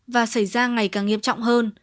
và xảy ra ngày càng nghiêm trọng hơn